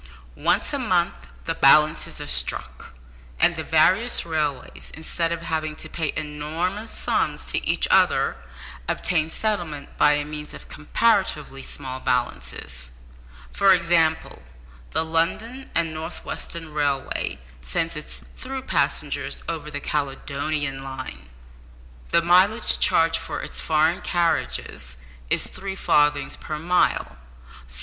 Once a month the balances are struck, and the various railways, instead of having to pay enormous sums to each other, obtain settlement by means of comparatively small balances. For example, the London and North Western railway sends its through passengers over the Caledonian line. The mileage charged for its "foreign" carriages is three farthings per mile.